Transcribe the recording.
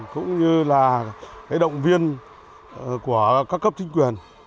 cũng như là động viên của các cấp chính quyền